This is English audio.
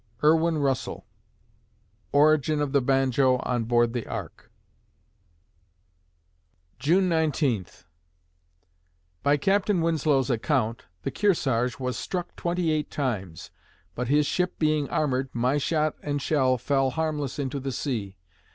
IRWIN RUSSELL (Origin of the Banjo on Board the Ark) June Nineteenth By Captain Winslow's account, the Kearsarge was struck twenty eight times; but his ship being armored, my shot and shell fell harmless into the sea.